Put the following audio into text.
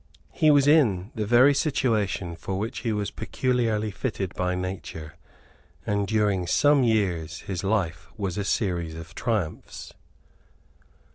He was in the very situation for which he was peculiarly fitted by nature; and during some years his life was a series of triumphs.